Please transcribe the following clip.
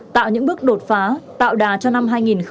tạo những bước đột phá tạo đà cho năm hai nghìn hai mươi